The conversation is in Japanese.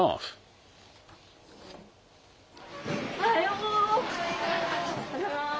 おはよう。